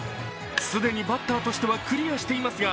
既にバッターとしてはクリアしていますが、